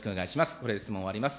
これで質問を終わります。